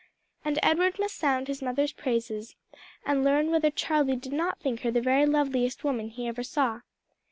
And Edward must sound his mother's praises and learn whether Charlie did not think her the very loveliest woman he ever saw.